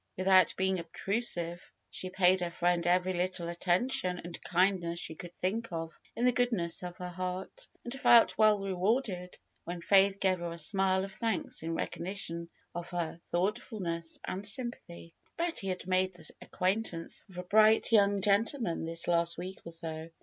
Without being obtrusive she paid her friend every little attention and kindness she could think of in the goodness of her heart, and felt well rewarded when Faith gave her a smile of thanks in recognition of her thoughtfulness and sympathy. Betty had made the acquaintance of a bright young gentleman this last week or so.